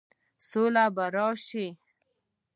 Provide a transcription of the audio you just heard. سوله به راشي؟